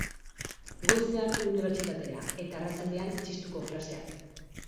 Goizean unibertsitatera, eta arratsaldean txistuko klaseak